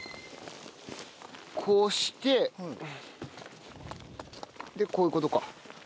こうしてでこういう事か。